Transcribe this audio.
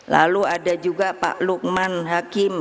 lalu ada juga pak lukman hakim